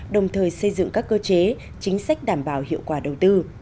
đồng thời xây dựng các cơ chế chính sách đảm bảo hiệu quả đầu tư